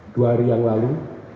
dua hari yang lalu